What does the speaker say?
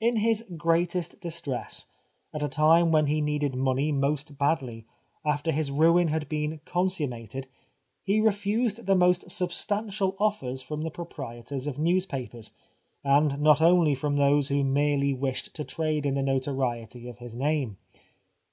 In his greatest distress, at a time when he needed money most badly, after his ruin had been consummated, he refused the most sub stantial offers from the proprietors of newspapers, and not only from those who merely wished to trade in the notoriety of his name.